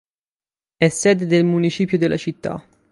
È sede del municipio della città.